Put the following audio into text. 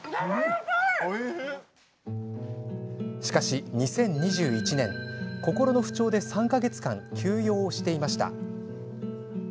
しかし２０２１年、心の不調で３か月間、休養をしていました。